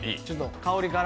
香りから。